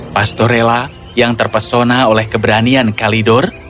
pastorella yang terpesona oleh keberanian kalidor